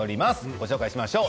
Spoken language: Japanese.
ご紹介しましょう。